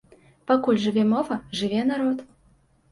Пакуль жыве мова, жыве народ.